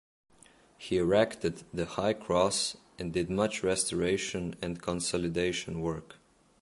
He erected the High Cross and did much restoration and consolidation work.